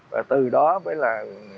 và từ đó mới là